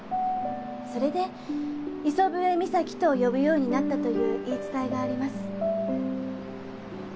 それで磯笛岬と呼ぶようになったという言い伝えがあります。